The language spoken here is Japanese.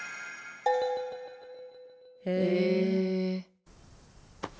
へえ。